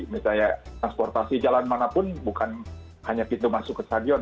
misalnya transportasi jalan manapun bukan hanya pintu masuk ke stadion